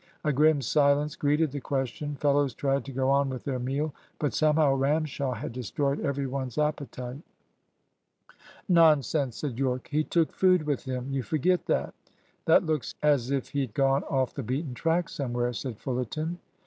A grim silence greeted the question. Fellows tried to go on with their meal. But somehow Ramshaw had destroyed every one's appetite. "Nonsense!" said Yorke. "He took food with him. You forget that." "That looks as if he'd gone off the beaten track somewhere," said Fullerton.